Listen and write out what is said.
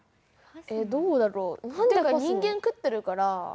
えどうだろう人間食ってるから。